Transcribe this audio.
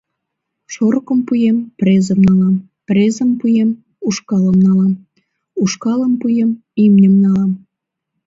Шорыкым пуэм — презым налам, презым пуэм — ушкалым налам, ушкалым пуэм — имньым налам...